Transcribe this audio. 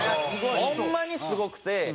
ホンマにすごくて。